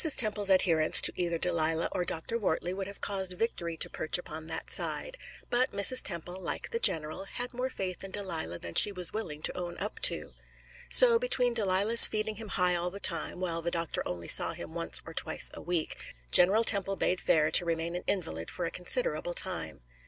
Temple's adherence to either Delilah or Dr. Wortley would have caused victory to perch upon that side; but Mrs. Temple, like the general, had more faith in Delilah than she was willing to own up to. So, between Delilah's feeding him high all the time, while the doctor only saw him once or twice a week, General Temple bade fair to remain an invalid for a considerable time.